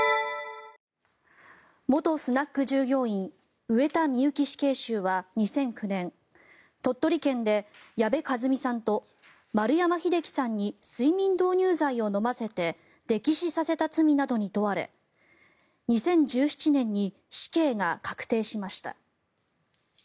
元スナック従業員上田美由紀死刑囚は２００９年鳥取県で矢部和実さんと円山秀樹さんに睡眠導入剤を飲ませて溺死させた罪などに問われ２０１７年に死刑が確定しました。